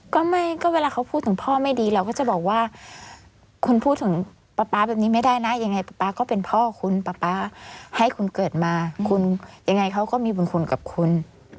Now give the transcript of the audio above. ก็ไม่ก็เวลาเขาพูดถึงพ่อไม่ดีเราก็จะบอกว่าคุณพูดถึงป๊าป๊าแบบนี้ไม่ได้นะยังไงป๊าก็เป็นพ่อคุณป๊าป๊าให้คุณเกิดมาคุณยังไงเขาก็มีบุญคุณกับคุณ